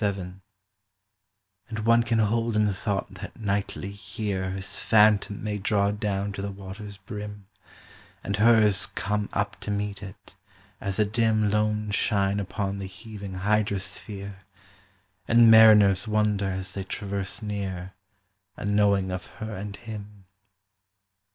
VII And one can hold in thought that nightly here His phantom may draw down to the water's brim, And hers come up to meet it, as a dim Lone shine upon the heaving hydrosphere, And mariners wonder as they traverse near, Unknowing of her and him.